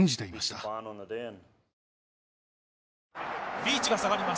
リーチが下がります。